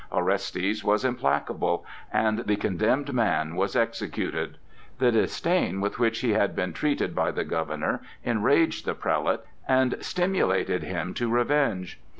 Orestes was implacable, and the condemned man was executed. The disdain with which he had been treated by the governor, enraged the prelate and stimulated him to revenge.